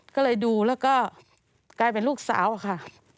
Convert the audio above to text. ก็เลยดูแล้วก็กลายเป็นลูกสาวอะค่ะ